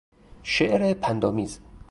شعر پندآمیز